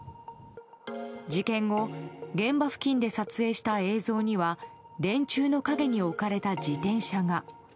事件後現場付近で撮影した映像には電柱の陰に置かれた自転車が。